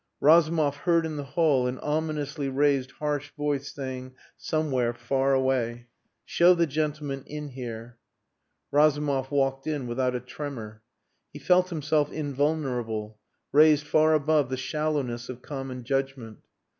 Razumov heard in the hall an ominously raised harsh voice saying somewhere far away "Show the gentleman in here." Razumov walked in without a tremor. He felt himself invulnerable raised far above the shallowness of common judgment.